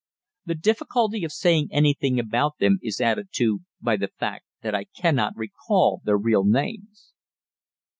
The difficulty of saying anything about them is added to by the fact that I cannot recall their real names.